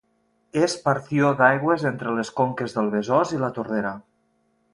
És partió d'aigües entre les conques del Besòs i La Tordera.